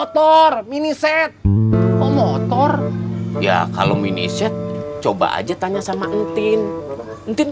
temenan aku dicontohin sama entin